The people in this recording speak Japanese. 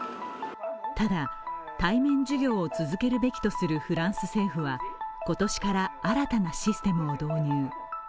ただ、対面授業を続けるべきとするフランス政府は今年から新たなシステムを導入。